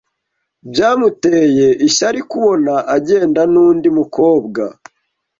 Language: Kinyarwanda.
Byamuteye ishyari kubona agenda n'undi mukobwa.